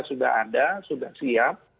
sudah ada sudah siap